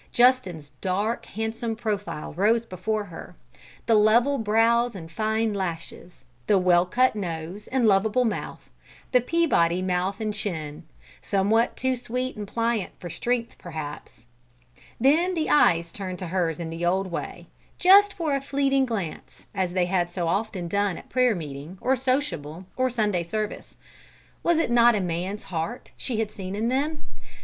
Justin's dark, handsome profile rose before her: the level brows and fine lashes; the well cut nose and lovable mouth the Peabody mouth and chin, somewhat too sweet and pliant for strength, perhaps. Then the eyes turned to hers in the old way, just for a fleeting glance, as they had so often done at prayer meeting, or sociable, or Sunday service. Was it not a man's heart she had seen in them?